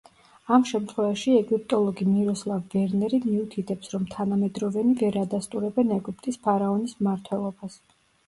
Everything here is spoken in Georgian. ამ შემთხვევაში ეგვიპტოლოგი მიროსლავ ვერნერი მიუთითებს, რომ თანამედროვენი ვერ ადასტურებენ ეგვიპტის ფარაონის მმართველობას.